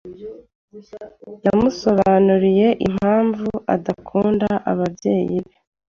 Yamusobanuriye impamvu adakunda ababyeyi be.